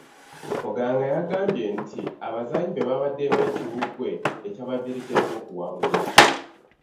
Muganga yagambye nti abazannyi be baabaddemu ekiwuggwe ekyabaviiriddeko okuwangulwa.